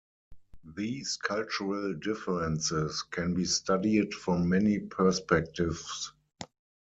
These cultural differences can be studied from many perspectives.